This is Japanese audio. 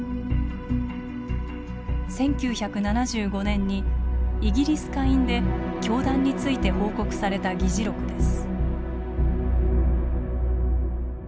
１９７５年にイギリス下院で教団について報告された議事録です。